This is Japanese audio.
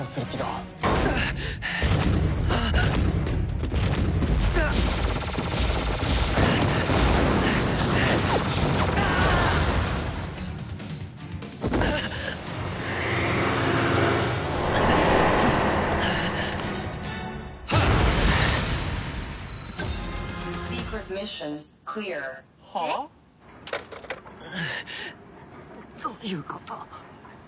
うっどういうこと？